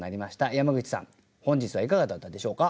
山口さん本日はいかがだったでしょうか？